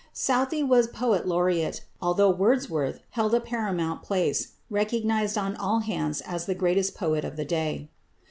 Southey was Poet Laureate, although Wordsworth held a paramount place, recognised on all hands as the greatest poet of the day.